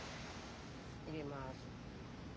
入れます。